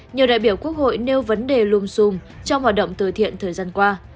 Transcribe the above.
nhiều đại biểu quốc hội nêu vấn đề lùm xùm trong hoạt động từ thiện thời gian qua